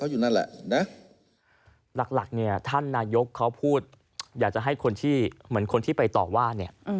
อยากจะให้คนที่คนที่ไปต่อว่า